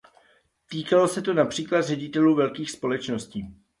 Týkalo se to například ředitelů velkých společností.